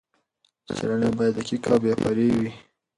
څېړنه باید دقیق او بې پرې وي.